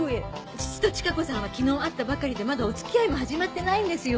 父とチカ子さんは昨日会ったばかりでまだお付き合いも始まってないんですよ。